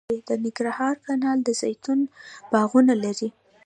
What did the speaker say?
د ننګرهار کانال د زیتون باغونه لري